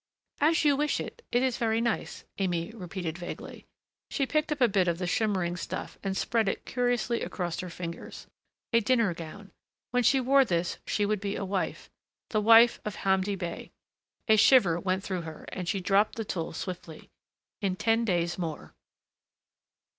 "As you wish it.... It is very nice," Aimée repeated vaguely. She picked up a bit of the shimmering stuff and spread it curiously across her fingers. A dinner gown.... When she wore this she would be a wife.... The wife of Hamdi Bey.... A shiver went through her and she dropped the tulle swiftly. In ten days more....